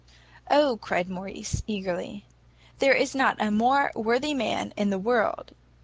"O," cried Morrice, eagerly, "there is not a more worthy man in the world!